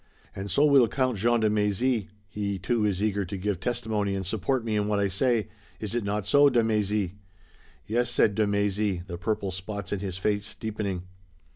"And so will Count Jean de Mézy. He too is eager to give testimony and support me in what I say. Is it not so, de Mézy?" "Yes," said de Mézy, the purple spots in his face deepening.